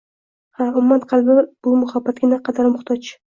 Ha, ummat qalbi bu muhabbatga naqadar muhtoj